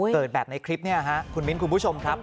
เกิดแบบในคลิปนี้คุณมิ้นคุณผู้ชมครับ